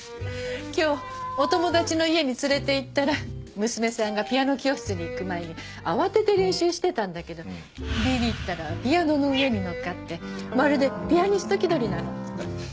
今日お友達の家に連れていったら娘さんがピアノ教室に行く前に慌てて練習してたんだけどビビったらピアノの上に乗っかってまるでピアニスト気取りなの。